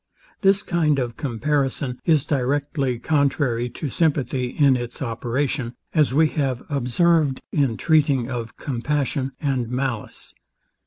This kind of comparison is directly contrary to sympathy in its operation, as we have observed in treating of compassion and malice.